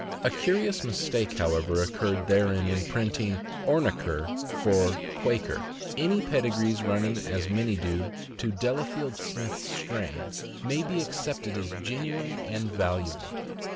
A curious mistake, however, occurred therein, in printing "Ornaker" for ''Quaker." Any pedi grees running (as many do) to Delafield Smith's strain may be accepted as genuine and valuable.